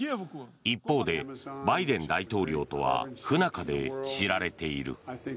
一方でバイデン大統領とは不仲で知られている。